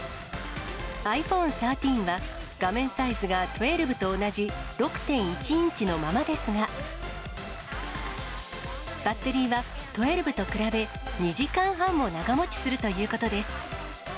ｉＰｈｏｎｅ１３は、画面サイズが１２と同じ６．１インチのままですが、バッテリーは１２と比べ、２時間半も長もちするということです。